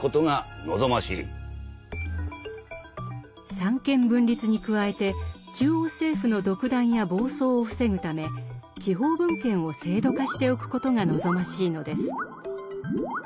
三権分立に加えて中央政府の独断や暴走を防ぐため地方分権を制度化しておくことが望ましいのです。